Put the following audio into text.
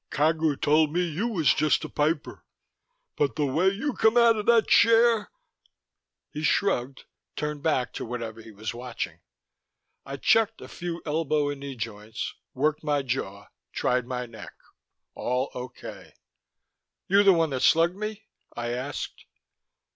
"Cagu told me you was just a piper, but the way you come outa that chair " He shrugged, turned back to whatever he was watching. I checked a few elbow and knee joints, worked my jaw, tried my neck: all okay. "You the one that slugged me?" I asked.